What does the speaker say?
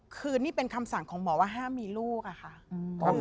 คือนี่เป็นคำสั่งของหมอว่าห้ามมีลูกอะค่ะ